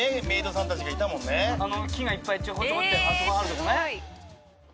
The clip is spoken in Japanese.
木がいっぱいちょこちょこってあそこあるとこね。